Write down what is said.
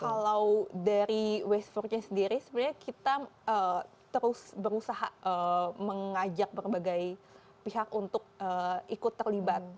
kalau dari waste for city sebenarnya kita terus berusaha mengajak berbagai pihak untuk ikut terlibat